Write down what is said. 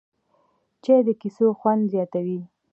چای د کیسو خوند زیاتوي